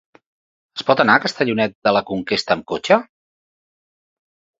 Es pot anar a Castellonet de la Conquesta amb cotxe?